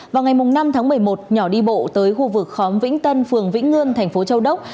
vào ngày năm tháng một mươi một nhỏ đi bộ tới khu vực khóm vĩnh tân phường vĩnh ngương thành phố châu đốc